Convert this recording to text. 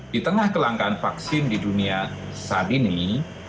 di tengah kelangkaan vaksin di dunia saat ini